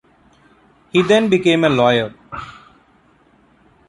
He then became a lawyer.